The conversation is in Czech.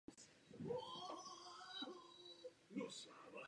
Evropská unie musí jednat.